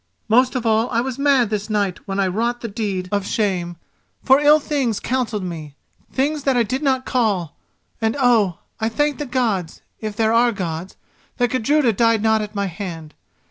Most of all was I mad this night when I wrought the deed of shame, for ill things counselled me—things that I did not call; and oh, I thank the Gods—if there are Gods—that Gudruda died not at my hand.